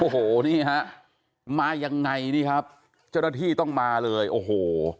โอ้โหนี่ฮะมายังไงนี่ครับเจ้าหน้าที่ต้องมาเลยโอ้โห